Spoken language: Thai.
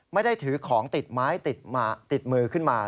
ไม่ได้ถือของติดไม้ติดมือขึ้นมา